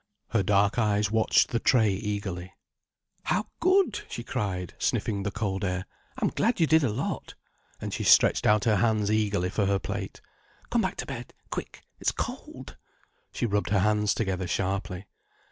Her dark eyes watched the tray eagerly. "How good!" she cried, sniffing the cold air. "I'm glad you did a lot." And she stretched out her hands eagerly for her plate—"Come back to bed, quick—it's cold." She rubbed her hands together sharply.